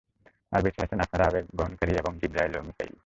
আর বেঁচে আছেন আপনার আরশ বহনকারিগণ এবং জিবরাঈল ও মীকাঈল।